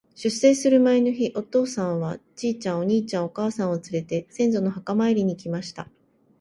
出征する前の日、お父さんは、ちいちゃん、お兄ちゃん、お母さんをつれて、先祖の墓参りに行きました。